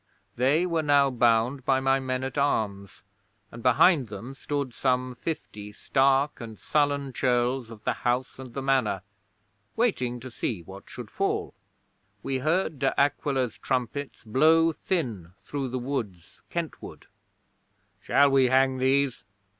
They were now bound by my men at arms, and behind them stood some fifty stark and sullen churls of the House and the Manor, waiting to see what should fall. We heard De Aquila's trumpets blow thin through the woods Kentward. '"Shall we hang these?"